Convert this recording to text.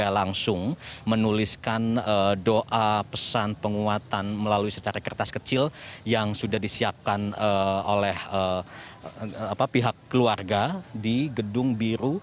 langsung menuliskan doa pesan penguatan melalui secara kertas kecil yang sudah disiapkan oleh pihak keluarga di gedung biru